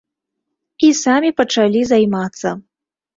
І самі пачалі займацца.